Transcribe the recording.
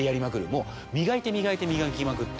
もう磨いて磨いて磨きまくって。